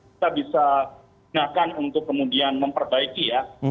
kita bisa gunakan untuk kemudian memperbaiki ya